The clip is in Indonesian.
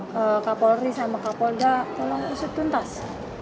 kak polri sama kak polda tolong usut tuntas